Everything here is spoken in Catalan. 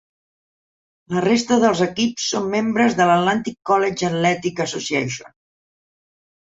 La resta dels equips són membres de l'Atlantic Colleges Athletic Association.